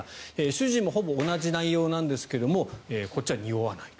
主人もほぼ同じ内容なんですがこっちはにおわない。